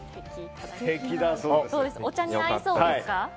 お茶に合いそうですか？